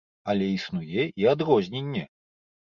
Але існуе і адрозненне.